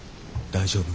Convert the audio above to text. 大丈夫。